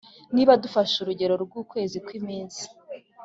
niba dufashe urugero rw’ukwezi kw’iminsi